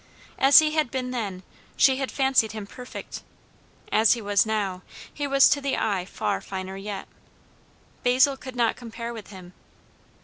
As he had been then, she had fancied him perfect; as he was now, he was to the eye far finer yet. Basil could not compare with him.